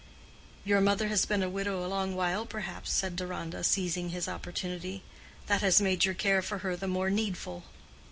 "Your mother has been a widow a long while, perhaps," said Deronda, seizing his opportunity. "That has made your care for her the more needful."